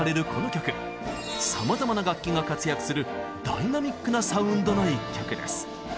さまざまな楽器が活躍するダイナミックなサウンドの一曲です。